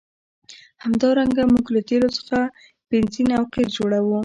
همدارنګه موږ له تیلو څخه بنزین او قیر جوړوو.